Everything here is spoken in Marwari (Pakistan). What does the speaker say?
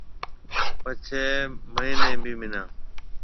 پڇيَ مهني ڀِي مَنا۔